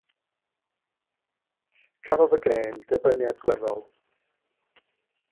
Cafodd y gêm dderbyniad gweddol.